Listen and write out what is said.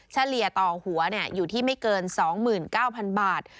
เฉลี่ยต่อหัวอยู่ที่ไม่เกิน๒๙๐๐บาท